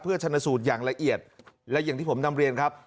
ชนสูตรอย่างละเอียดและอย่างที่ผมนำเรียนครับ